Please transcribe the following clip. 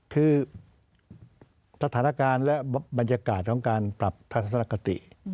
คือสถานการณ์และบรรยากาศของการปรับทัศนคติ